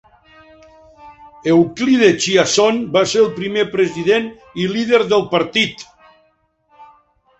Euclide Chiasson va ser el primer president i lider del partit.